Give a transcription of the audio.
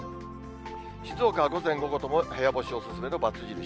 静岡は午前午後とも部屋干しお勧めのばつ印。